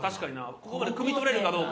ここまでくみ取れるかどうか。